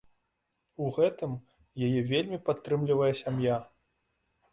У гэтым яе вельмі падтрымлівае сям'я.